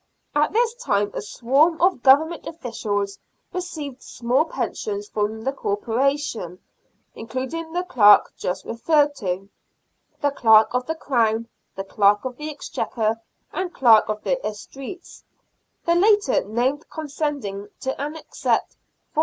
At this time a swarm of Government officials received small pensions from the Corporation, including the Clerk just referred to, the Clerk of the Crown, the Clerk of the Exchequer, and the Clerk of the Estreats — the last named con descending to accept 4s.